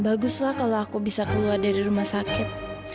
baguslah kalau aku bisa keluar dari rumah sakit